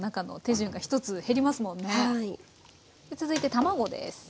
続いて卵です。